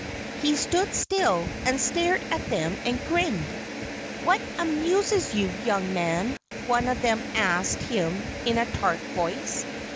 He stood still and stared at them and grinned. "What amuses you, young man?" one of them asked him in a tart voice.